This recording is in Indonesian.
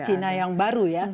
china yang baru ya